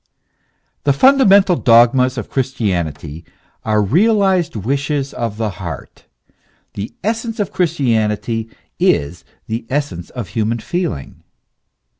THE fundamental dogmas of Christianity are realized wishes of the heart ; the essence of Christianity is the essence of hu man feeling.